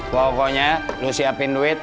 pokoknya lu siapin duit